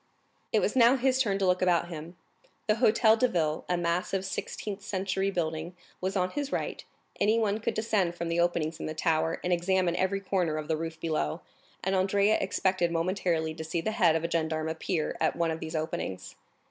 It was now his turn to look about him; the Hôtel de Ville, a massive sixteenth century building, was on his right; anyone could descend from the openings in the tower, and examine every corner of the roof below, and Andrea expected momentarily to see the head of a gendarme appear at one of these openings.